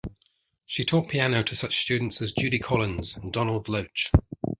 She taught piano to such students as Judy Collins and Donald Loach.